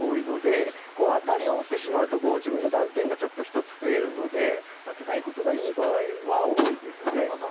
アタリを打ってしまうと自分の断点がちょっと１つ増えるのでアテないことがいい場合は多いですね。